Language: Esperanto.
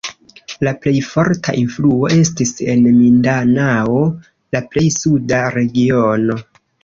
La plej forta influo estis en Mindanao, la plej suda regiono.